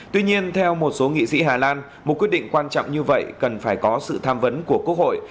tuy nhiên theo một số nghị sĩ hà lan một quyết định quan trọng như vậy cần phải có sự tham vấn của quốc hội